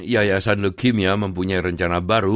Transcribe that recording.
yayasan leukemia mempunyai rencana baru